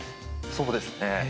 そうですね。